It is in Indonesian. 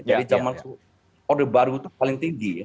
jadi zaman itu order baru itu paling tinggi ya